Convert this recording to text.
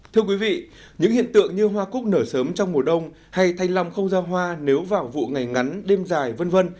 thưa quý vị những hiện tượng như hoa cúc nở sớm trong mùa đông hay thanh long không ra hoa nếu vào vụ ngày ngắn đêm dài v v